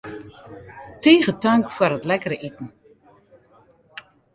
Tige tank foar it lekkere iten.